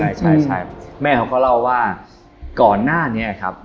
ใช่ใช่แม่เขาก็เล่าว่าก่อนหน้านี้ครับ